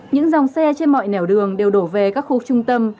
những dòng xe trên mọi nẻo đường đều đổ về các khu trung tâm